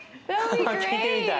聴いてみたい。